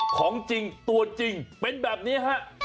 ของจริงตัวจริงเป็นแบบนี้ฮะ